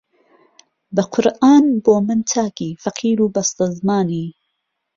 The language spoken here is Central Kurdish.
بە قورئان بۆ من چاکی فەقیر و بەستەزمانی